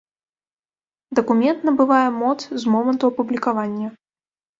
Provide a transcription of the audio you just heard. Дакумент набывае моц з моманту апублікавання.